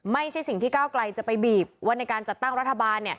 ไม่ใช่สิ่งที่ก้าวไกลจะไปบีบว่าในการจัดตั้งรัฐบาล